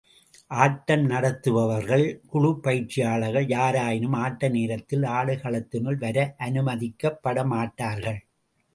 ஆட்டம் நடத்துபவர்கள், குழுப் பயிற்சியாளர்கள் யாராயினும் ஆட்ட நேரத்தில் ஆடுகளத்தினுள் வர அனுமதிக்கப்பட மாட்டார்கள்.